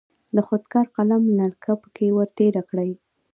د خودکار قلم نلکه پکې ور تیره کړئ.